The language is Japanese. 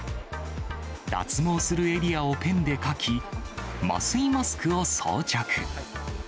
脱毛するエリアをペンで書き、麻酔マスクを装着。